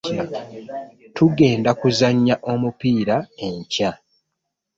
Tugenda kuzannya omupiira enkya.